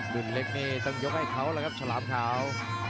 รุ่นเล็กนี่ต้องยกให้เขาแล้วครับฉลามขาว